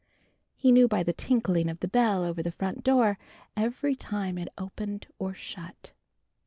He knew by the tinkling of the bell over the front door, every time it opened or shut.